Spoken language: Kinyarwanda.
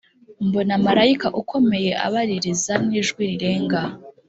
Mbona marayika ukomeye abaririza n ijwi rirenga